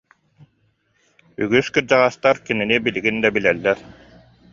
Үгүс кырдьаҕастар кинини билигин да билэллэр